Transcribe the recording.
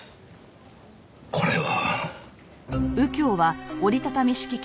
これは。